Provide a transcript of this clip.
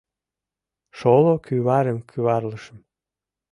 Шоло кӱварым кӱварлышым: